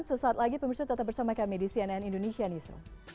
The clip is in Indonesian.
sesaat lagi pemirsa tetap bersama kami di cnn indonesia newsroom